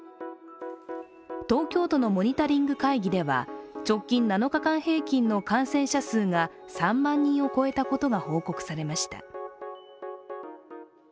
東京都のモニタリング会議では直近７日間平均の感染者数が３万人を超えたことが報告されました。